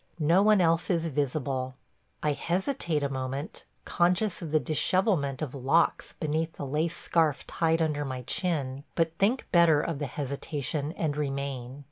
No one else is visible. I hesitate a moment, conscious of the dishevelment of locks beneath the lace scarf tied under my chin, but think better of the hesitation and remain.